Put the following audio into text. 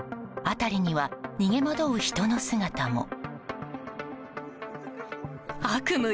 辺りには逃げ惑う人の姿も。